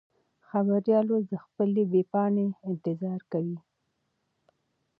خبریال اوس د خپلې بې پاڼې انتظار کوي.